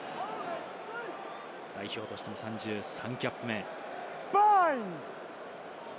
代表としても３キャップ目。